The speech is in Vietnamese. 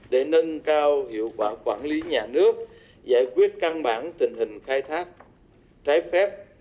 để nâng cao hiệu quả quản lý nhà nước giải quyết căn bản tình hình khai thác trái phép